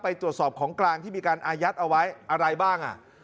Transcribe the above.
ตรวจสอบของกลางที่มีการอายัดเอาไว้อะไรบ้างอ่ะ